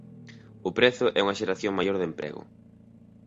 _O prezo é unha xeración maior de emprego.